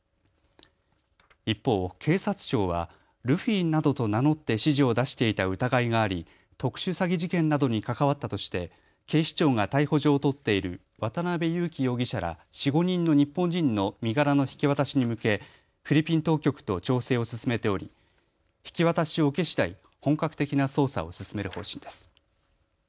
一方、警察庁はルフィなどと名乗って指示を出していた疑いがあり特殊詐欺事件などに関わったとして警視庁が逮捕状を取っている渡邉優樹容疑者ら４、５人の日本人の身柄の引き渡しに向けフィリピン当局と調整を進めており引き渡しを受けしだい本格的な捜査を進める方針です。